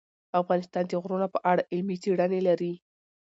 افغانستان د غرونه په اړه علمي څېړنې لري.